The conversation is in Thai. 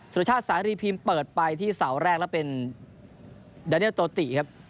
สัตว์ชาติสารีพีมเปิดไปที่เสาแรกแล้วเป็นดานีลโตตี้ครับ